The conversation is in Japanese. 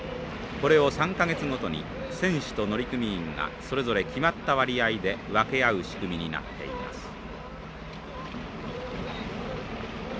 これを３か月ごとに船主と乗組員がそれぞれ決まった割合で分け合う仕組みになっています。